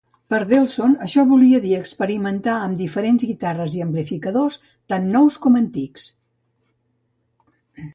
Per Delson, això volia dir experimentar amb diferents guitarres i amplificadors, tant nous com antics.